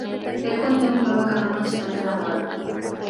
El contemplaba cada noche a la tan amada.